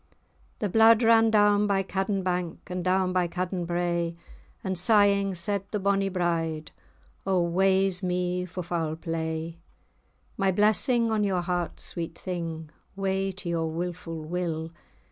The blood ran down by Caddon bank, And down by Caddon brae, And, sighing, said the bonnie bride— "O wae's me for foul play." My blessing on your heart, sweet thing! Wae to your wilfu' will!